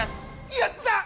やった！